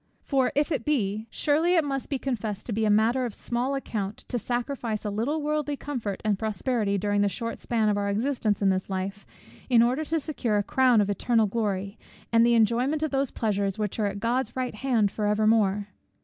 For if it be, surely it must be confessed to be a matter of small account to sacrifice a little worldly comfort and prosperity, during the short span of our existence in this life, in order to secure a crown of eternal glory, and the enjoyment of those pleasures which are at God's right hand for evermore!